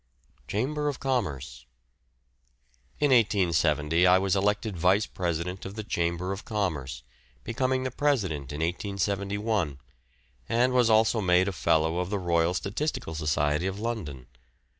CHAMBER OF COMMERCE. In 1870 I was elected Vice President of the Chamber of Commerce, becoming the President in 1871, and was also made a Fellow of the Royal Statistical Society of London.